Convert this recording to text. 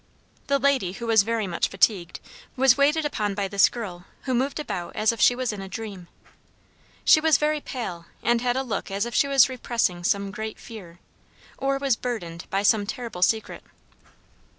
The lady, who was very much fatigued, was waited upon by this girl, who moved about as if she was in a dream. She was very pale, and had a look as if she was repressing some great fear, or was burdened by some terrible secret.